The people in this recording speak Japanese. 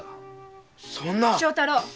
正太郎！